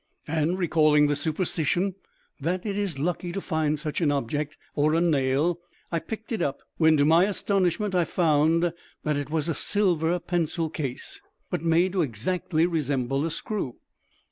And recalling the superstition that it is lucky to find such an object, or a nail, I picked it up, when to my astonishment I found that it was a silver pencil case, but made to exactly resemble a screw.